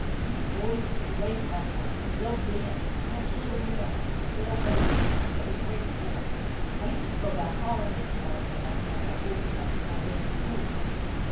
We boys used to wade in that brook, and build dams v and catch little minnows, and sail boats. It was great sport I used to go back holidays now and then after I got old enough Co go away to school.